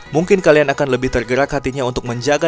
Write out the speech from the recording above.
mungkin kalian akan lebih tergerak hatinya untuk menjaga